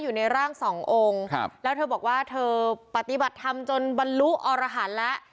อยู่ในร่างสององค์ครับแล้วเธอบอกว่าเธอปฏิบัติธรรมจนบรรลุอรหันต์แล้ว